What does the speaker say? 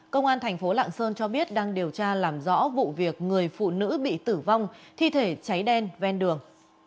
công an thành phố lạng sơn cho biết đang điều tra làm rõ vụ việc người phụ nữ bị tử vong thi thể cháy đen ven đường